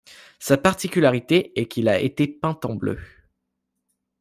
Sa particularité est qu'il a été peint en bleu.